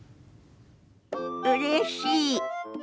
うれしい。